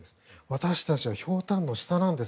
私たちはひょうたんの下なんです。